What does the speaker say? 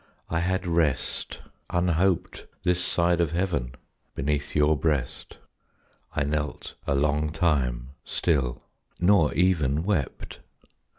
I had rest Unhoped this side of Heaven, beneath your breast. I knelt a long time, still; nor even wept.